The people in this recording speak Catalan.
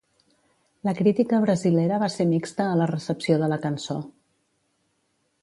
La crítica brasilera va ser mixta a la recepció de la cançó.